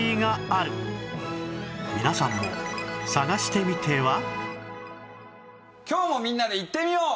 東京には今日もみんなで言ってみよう！